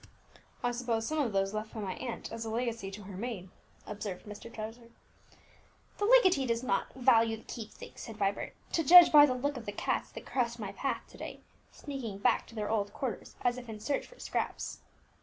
"I suppose some of those left by my aunt as a legacy to her maid," observed Mr. Trevor. "The legatee does not value the keepsakes," said Vibert, "to judge by the looks of the cats that crossed my path to day, sneaking back to their old quarters as if in search for scraps."